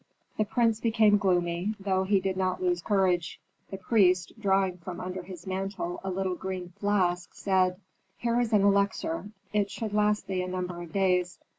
The prince became gloomy, though he did not lose courage. The priest, drawing from under his mantle a little green flask, said, "Here is an elixir. It should last thee a number of days.